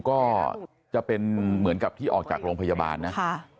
ก็จะเป็นเหมือนกับที่ออกจากโรงพยาบาลนะ